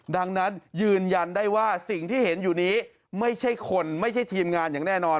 ดังนั้นยืนยันได้ว่าสิ่งที่เห็นอยู่นี้ไม่ใช่คนไม่ใช่ทีมงานอย่างแน่นอน